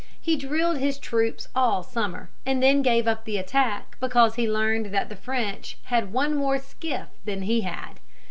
He drilled his troops all summer, and then gave up the attack because he learned that the French had one more skiff than he had.